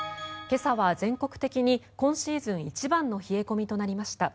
今朝は全国的に今シーズン一番の冷え込みとなりました。